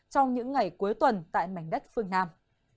trong những ngày cuối tuần tại mảnh đất phương nam